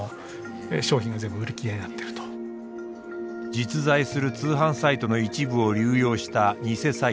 実在する通販サイトの一部を流用した偽サイト。